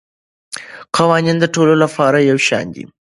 قوانین د ټولو لپاره یو شان دي.